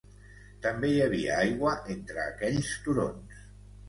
També hi havia aigua entre aquells turons.